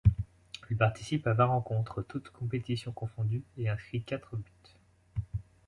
Il participe à vingt rencontres toutes compétitions confondues et inscrit quatre buts.